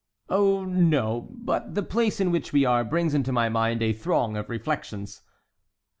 "Oh, no, but the place in which we are brings into my mind a throng of reflections."